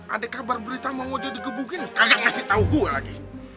ada kabar berita mang ojo digebukin kagak ngasih tau gua lagi